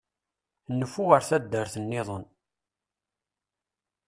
Nfu ar taddart-nniḍen.